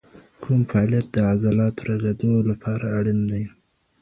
کوم فعالیت د عضلاتو رغېدو لپاره اړین دی؟